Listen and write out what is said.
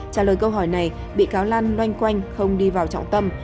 trả lời câu hỏi này bị cáo lan loanh quanh không đi vào trọng tâm